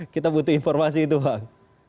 kita butuh informasi itu bang